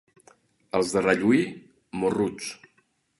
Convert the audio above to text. Els de Rallui, morruts.